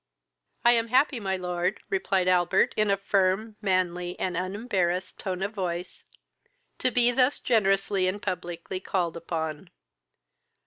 "I am happy, my lord, (replied Albert, in a firm, manly, and unembarrassed, tone of voice,) to be thus generously and publicly called upon.